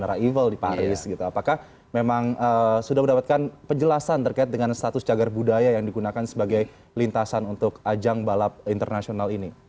apakah memang sudah mendapatkan penjelasan terkait dengan status cagar budaya yang digunakan sebagai lintasan untuk ajang balap internasional ini